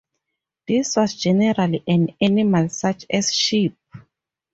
This was generally an animal such as a sheep.